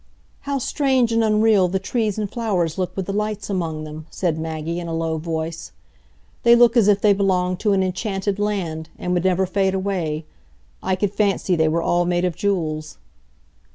"How strange and unreal the trees and flowers look with the lights among them!" said Maggie, in a low voice. "They look as if they belonged to an enchanted land, and would never fade away; I could fancy they were all made of jewels."